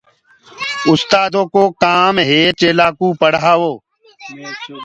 اُستآدو ڪو ڪآم هي چيلآ ڪو پڙهآوو